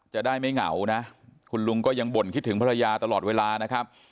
จะได้ไม่เหงานะคุณลุงก็ยังบ่นคิดถึงภรรยาตลอดเวลานะครับ